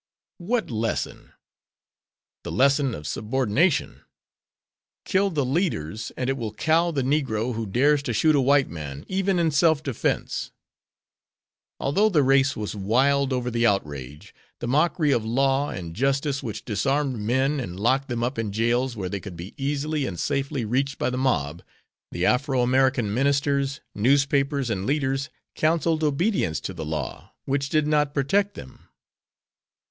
What lesson? The lesson of subordination. "Kill the leaders and it will cow the Negro who dares to shoot a white man, even in self defense." Although the race was wild over the outrage, the mockery of law and justice which disarmed men and locked them up in jails where they could be easily and safely reached by the mob the Afro American ministers, newspapers and leaders counselled obedience to the law which did not protect them.